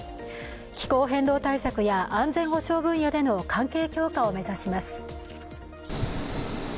気候変動対策や安全保障分野での関係強化を目指します。